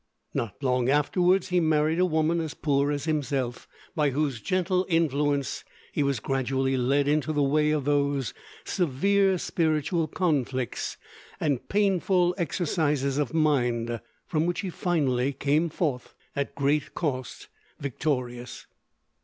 Not long afterward he married a woman as poor as himself, by whose gentle influence he was gradually led into the way of those severe spiritual conflicts and "painful exercises of mind" from which he finally came forth, at great cost, victorious.